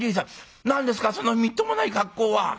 何ですかそのみっともない格好は。